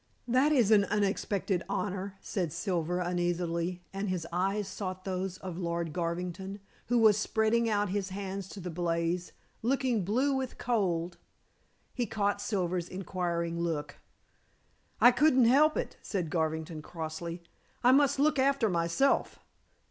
"That is an unexpected honor," said Silver uneasily, and his eyes sought those of Lord Garvington, who was spreading out his hands to the blaze, looking blue with cold. He caught Silver's inquiring look. "I couldn't help it," said Garvington crossly. "I must look after myself."